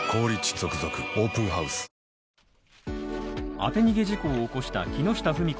当て逃げ事故を起こした木下富美子